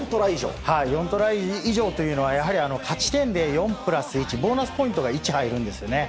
４トライ以上というのは勝ち点で４プラス１とボーナスポイントが１入るんです。